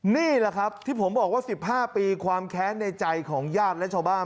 นี่แหละครับที่ผมบอกว่า๑๕ปีความแค้นในใจของญาติและชาวบ้าน